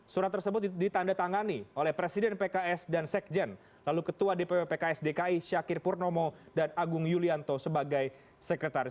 surat tersebut ditanda tangani oleh presiden pks dan sekjen lalu ketua dpw pks dki syakir purnomo dan agung yulianto sebagai sekretaris